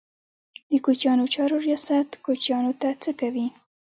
د کوچیانو چارو ریاست کوچیانو ته څه کوي؟